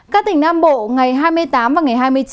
các tỉnh nam bộ ngày hai mươi tám và ngày hai mươi chín